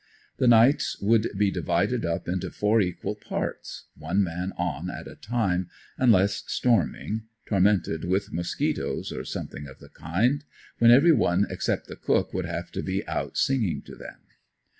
The nights would be divided up into four equal parts one man "on" at a time, unless storming, tormented with mosquitos or something of the kind, when every one except the cook would have to be "out" singing to them.